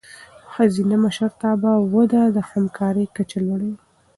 د ښځینه مشرتابه وده د همکارۍ کچه لوړوي.